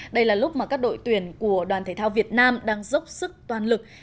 đây là lúc mà các đội tuyển của đoàn thể thao việt nam đang dốc sức toàn lực